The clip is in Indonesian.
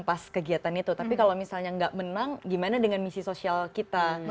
pas kegiatan itu tapi kalau misalnya nggak menang gimana dengan misi sosial kita